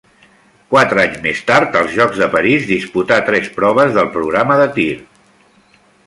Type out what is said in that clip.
Quatre anys més tard, als Jocs de París, disputà tres proves del programa de tir.